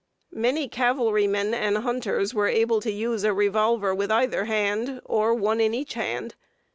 Many cavalrymen and hunters were able to use a revolver with either hand, or one in each hand.